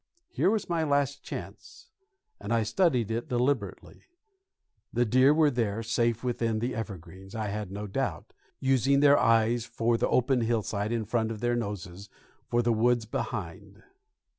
Here was my last chance, and I studied it deliberately. The deer were there, safe within the evergreens, I had no doubt, using their eyes for the open hillside in front and their noses for the woods behind.